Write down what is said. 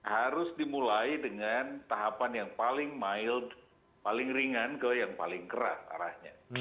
harus dimulai dengan tahapan yang paling mild paling ringan ke yang paling keras arahnya